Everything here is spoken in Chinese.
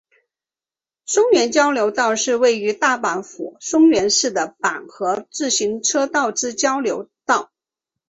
松原交流道是位于大阪府松原市的阪和自动车道之交流道。